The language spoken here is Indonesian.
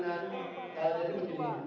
dan klien paksaan